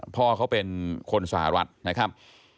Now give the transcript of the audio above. พ่อเขาเป็นคนสหรัฐนะครับ